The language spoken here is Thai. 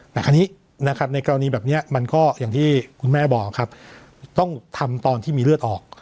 แต่ในกรณีแบบนี้มันก็อย่างที่คุณแม่บอกต้องทำตอนที่มีเลือดออก